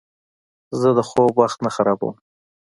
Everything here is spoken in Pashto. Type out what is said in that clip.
زه د خوب وخت نه خرابوم.